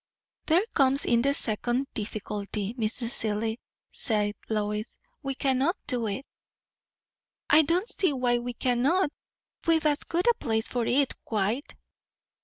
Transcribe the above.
"There comes in the second difficulty, Mrs. Seelye," said Lois. "We cannot do it." "I don't see why we cannot. We've as good a place for it, quite."